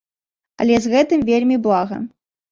Але з гэтым вельмі блага.